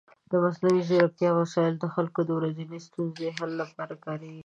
د مصنوعي ځیرکتیا وسایل د خلکو د ورځنیو ستونزو حل لپاره کارېږي.